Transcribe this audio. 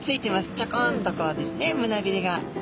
ちょこんとこうですね胸びれがあります。